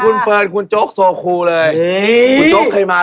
อย่าเพิ่งหามากเดี๋ยวตรงนี้ลำบาก